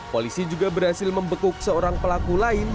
polisi juga berhasil membekuk seorang pelaku lain